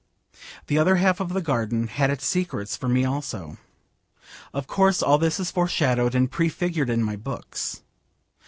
The other half of the garden had its secrets for me also. Of course all this is foreshadowed and prefigured in my books.